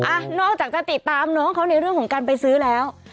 อ่ะนอกจากจะติดตามน้องเขาในเรื่องของการไปซื้อแล้ว